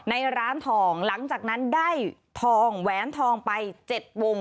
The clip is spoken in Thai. ในร้านทองหลังจากนั้นได้ทองแหวนทองไป๗วง